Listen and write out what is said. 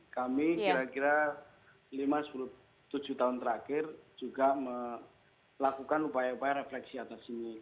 kami kira kira lima sepuluh tujuh tahun terakhir juga melakukan upaya upaya refleksi atas ini